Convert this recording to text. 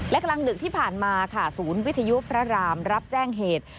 และกลางดึกที่ผ่านมาค่ะศูนย์วิทยุพระรามรับแจ้งเหตุ